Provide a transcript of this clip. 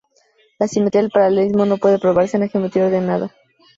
La simetría del paralelismo no puede probarse en la geometría ordenada.